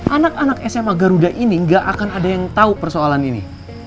anak anak sma garuda ini gak akan ada yang tahu persoalan ini